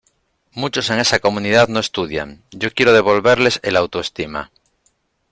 Muchos en esa comunidad no estudian, yo quiero devolverles el autoestima.